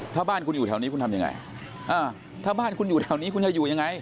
ถ้าบ้านคุณอยู่แถวนี้คุณทำยังไงอ่าถ้าบ้านคุณอยู่แถวนี้คุณจะอยู่ยังไง